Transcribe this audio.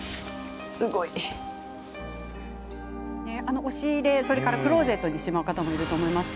押し入れ、クローゼットにしまう人もいると思います。